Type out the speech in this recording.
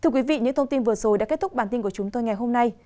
thưa quý vị những thông tin vừa rồi đã kết thúc bản tin của chúng tôi ngày hôm nay